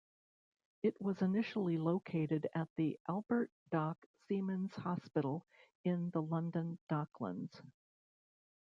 It was initially located at the Albert Dock Seamen's Hospital in the London Docklands.